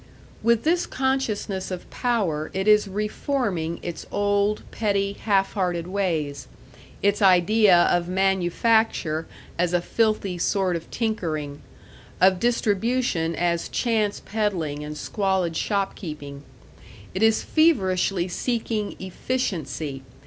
With this consciousness of power it is reforming its old, petty, half hearted ways; its idea of manufacture as a filthy sort of tinkering; of distribution as chance peddling and squalid shopkeeping; it is feverishly seeking efficiency....